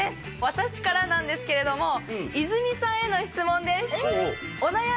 私からなんですけれども泉さんへの質問です。